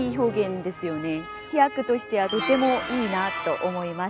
飛躍としてはとてもいいなと思います。